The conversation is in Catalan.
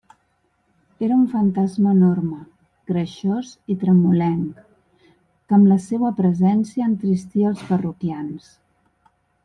Era un fantasma enorme, greixós i tremolenc, que amb la seua presència entristia els parroquians.